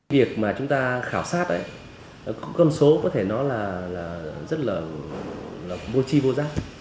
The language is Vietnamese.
việc mà chúng ta khảo sát con số có thể nó là rất là vô chi vô giác